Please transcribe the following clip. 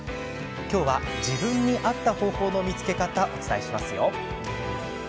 今日は自分に合った方法の見つけ方、お伝えしますよ。